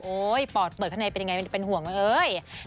โอ๊ยปอดเปิดข้างในเป็นอย่างไรเป็นห่วงไหม